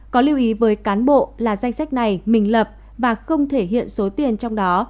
có lưu ý với cán bộ là danh sách này mình lập và không thể hiện số tiền trong đó